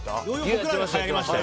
僕らはやりましたよ。